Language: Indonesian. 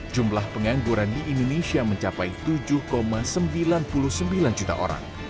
jumlah pengangguran di indonesia mencapai tujuh sembilan puluh sembilan juta orang